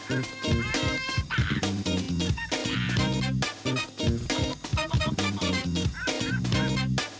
อุ้ย